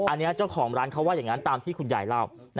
อันนี้เจ้าของร้านเขาว่าอย่างนั้นตามที่คุณยายเล่า